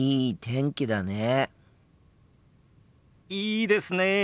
いいですねえ。